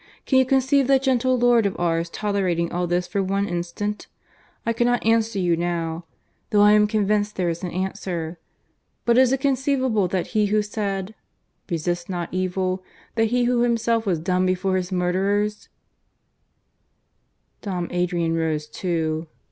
Can you conceive that gentle Lord of ours tolerating all this for one instant! I cannot answer you now; though I am convinced there is an answer. But is it conceivable that He who said, 'Resist not evil,' that He who Himself was dumb before his murderers " Dom Adrian rose too.